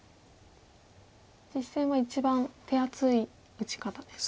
実戦は一番手厚い打ち方ですね。